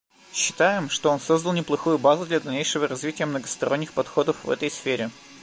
Считаем, что он создал неплохую базу для дальнейшего развития многосторонних подходов в этой сфере.